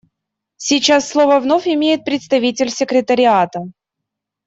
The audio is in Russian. Сейчас слово вновь имеет представитель Секретариата.